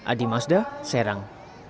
adi masda serang